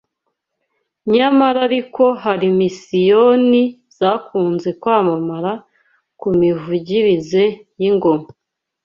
Nyamara ariko hari Misiyoni zakunze kwamamara ku mivugirize y’ingoma